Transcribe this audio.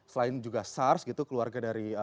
selain juga sars gitu keluarga dari